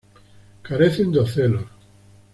Carecen de ocelos.